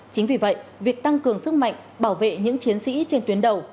chính vì vậy việc tăng cường sức mạnh bảo vệ những chiến sĩ trên tuyến đầu